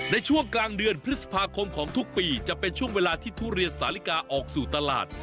ในช่วงกลางเดือนพฤษภาคมของทุกปีจะเป็นช่วงเวลาที่ทุเรียนสาลิกาออกสู่ตลาด